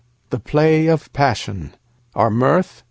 The play of passion. Our mirth?